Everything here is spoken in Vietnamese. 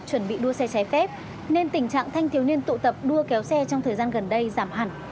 chuẩn bị đua xe trái phép nên tình trạng thanh thiếu niên tụ tập đua kéo xe trong thời gian gần đây giảm hẳn